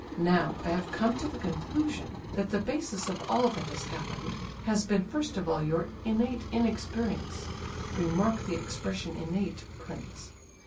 Now, I have come to the conclusion that the basis of all that has happened, has been first of all your innate inexperience (remark the expression 'innate,' prince).